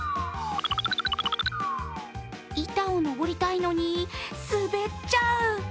板を登りたいのに滑っちゃう。